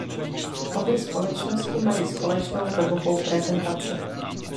Obě společnosti mají společnou webovou prezentaci.